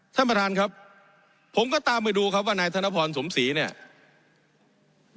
ท่านประธานครับผมก็ตามไปดูครับว่านายธนพรสมศรีเนี่ย